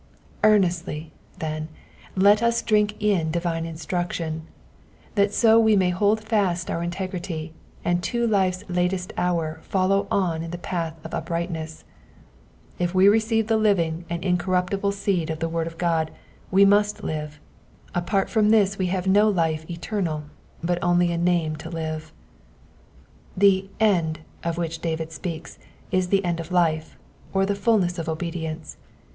Earnestly, then, let us drink in divine instruction, that so we may hold fast our integrity, and to life's latest hour follow on in the path of uprightness ! If we receive the living and incorruptible seed of the word of God we must live : apart from this we have no life eternal, but only a name to live. The *' end *' of which David speaks is the end of life, or the fulness of obedience.